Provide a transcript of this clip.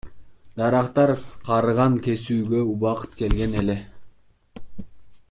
Дарактар карыган, кесүүгө убакыт келген эле.